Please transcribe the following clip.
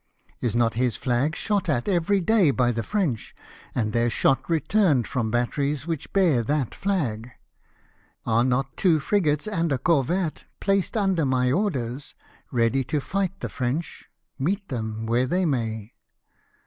Is not his flag shot at every day by the French, and their shot returned from batteries which bear that flag ? Are not two frigates and a corvette placed under my orders, ready to fight the French, meet them where they may